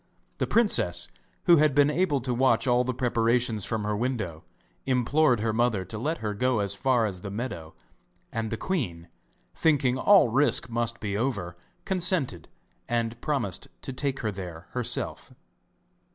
The princess, who had been able to watch all the preparations from her window, implored her mother to let her go as far as the meadow; and the queen, thinking all risk must be over, consented, and promised to take her there herself.